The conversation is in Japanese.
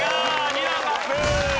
２段アップ。